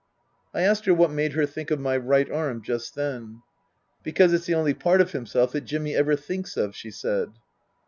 I asked her what made her think of my right arm just then. " Because it's the only part of himself that Jimmy ever thinks of," she said.